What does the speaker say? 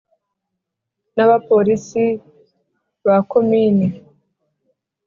n abapolisi ba Komini